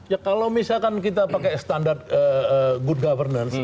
ya kalau misalkan kita pakai standar good governance